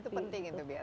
itu penting itu biasanya